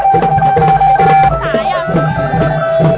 เพื่อรับความรับทราบของคุณ